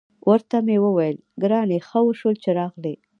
ورته مې وویل: ګرانې، ښه وشول چې راغلې.